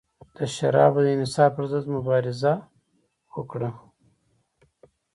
د شرابو د انحصار پرضد یې مبارزه وکړه.